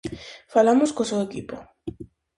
Falamos co seu equipo.